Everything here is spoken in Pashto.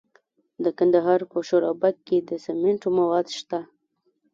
د کندهار په شورابک کې د سمنټو مواد شته.